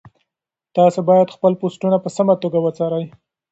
تاسي باید خپل پوسټونه په سمه توګه وڅارئ.